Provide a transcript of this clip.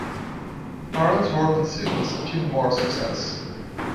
Parran's work on syphilis achieved more success.